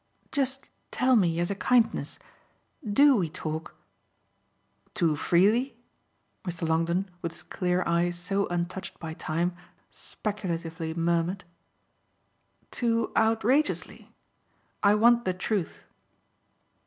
"Just tell me as a kindness. DO we talk " "Too freely?" Mr. Longdon, with his clear eyes so untouched by time, speculatively murmured. "Too outrageously. I want the truth."